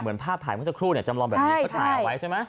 เหมือนภาพถ่ายของสักครู่จำลองแบบนี้เขาถ่ายเอาไว้ใช่ไหม